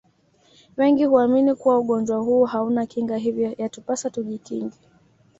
Wengi huamini kuwa ugonjwa huu hauna Kinga hivyo yatupasa tujikinge